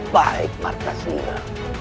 baik marta singa